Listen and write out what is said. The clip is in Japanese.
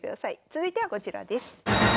続いてはこちらです。